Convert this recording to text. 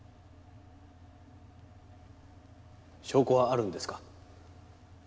証拠はあるんですか？